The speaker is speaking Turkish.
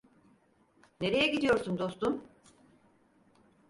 Nereye gidiyorsun dostum?